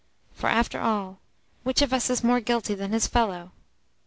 For, after all, which of us is more guilty than his fellow?